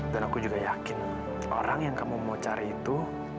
dan aku juga yakin orang yang kamu mau cari itu